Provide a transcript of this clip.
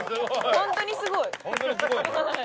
本当にすごいね。